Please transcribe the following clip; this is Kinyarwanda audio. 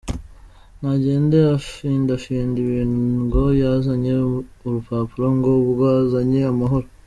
Ntagende afindafinda ibintu ngo yazanye urupapuro ngo ubwo azanye amahoro.